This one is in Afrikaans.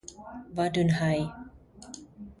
Wat doen hy?